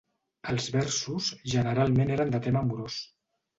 Els versos generalment eren de tema amorós.